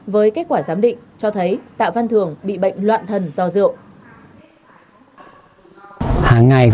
với kết quả giám định cho thấy tạ văn thường bị bệnh loạn thần do rượu